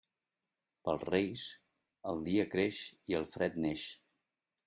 Pels Reis, el dia creix i el fred neix.